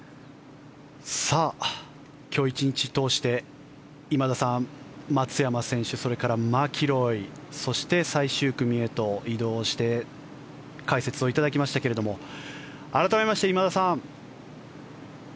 今日１日通して、今田さん松山選手、それからマキロイそして最終組へと移動して解説をいただきましたけれども改めまして今田さん。